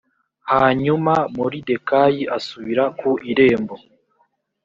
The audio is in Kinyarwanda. hanyuma moridekayi asubira ku irembo